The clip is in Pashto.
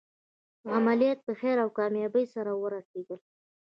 عملیات په خیر او کامیابۍ سرته ورسېدل.